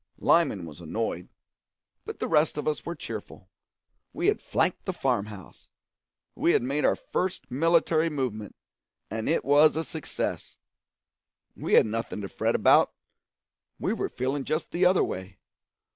Lyman was annoyed, but the rest of us were cheerful; we had flanked the farm house, we had made our first military movement, and it was a success; we had nothing to fret about, we were feeling just the other way.